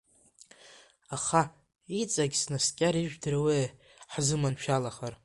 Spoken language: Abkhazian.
Аха, иҵагь снаскьар, ижәдыруеи, ҳзыманшәалахар!